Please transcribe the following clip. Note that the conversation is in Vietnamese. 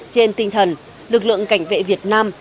trên tinh thần lực lượng cảnh vệ việt nam